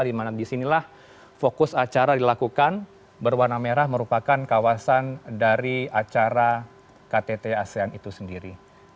dimana disinilah fokus acara dilakukan berwarna merah merupakan kawasan dari acara ktt asean itu sendiri